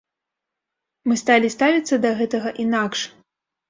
Мы сталі ставіцца да гэтага інакш.